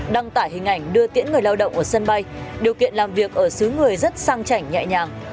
đăng tải hình ảnh đưa tiễn người lao động ở sân bay điều kiện làm việc ở xứ người rất sang chảnh nhẹ nhàng